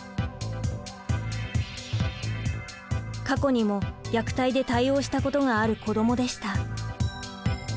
過去にも虐待で対応したことがある子どもでした。